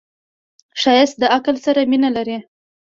ښایست له عقل سره مینه لري